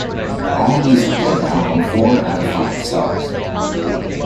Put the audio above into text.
Allmusic gave the album four out of five stars.